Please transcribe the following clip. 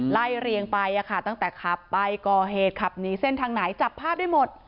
ไล่เรียงไปตั้งแต่ขับไปก่อเหตุขับหนีเส้นทางไหนจับภาพได้หมด